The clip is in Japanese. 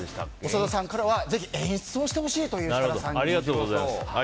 長田さんからはぜひ演出をしてほしいとありがとうございます。